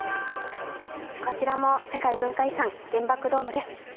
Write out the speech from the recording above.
こちらも世界文化遺産、原爆ドームです。